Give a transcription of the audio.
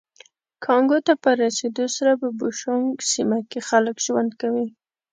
کانګو ته په رسېدو سره په بوشونګ سیمه کې خلک ژوند کوي